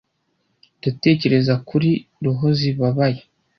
ndatekereza kuri roho zibabaye